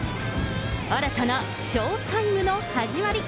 新たなショータイムの始まり。